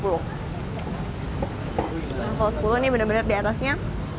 kalau sepuluh ini benar benar di atasnya